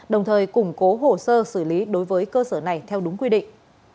đồng thời củng cố hồ sơ xử lý đối với cơ sở này theo đúng quy định